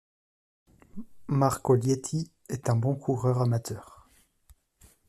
Marco Lietti est un bon coureur amateur.